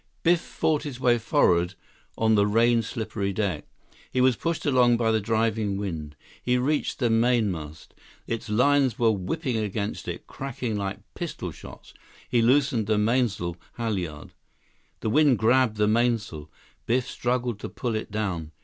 Biff fought his way forward on the rain slippery deck. He was pushed along by the driving wind. He reached the mainmast. Its lines were whipping against it, cracking like pistol shots. He loosened the mainsail halyard. The wind grabbed the mainsail. Biff struggled to pull it down.